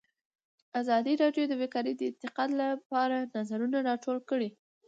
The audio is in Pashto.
ازادي راډیو د بیکاري د ارتقا لپاره نظرونه راټول کړي.